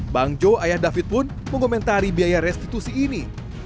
bang jo ayah david pun mengomentari biaya restitusi ini